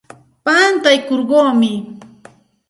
Pantaykurquumi.